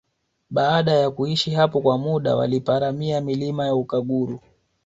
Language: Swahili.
Baada ya kuishi hapo kwa muda waliparamia milima ya Ukaguru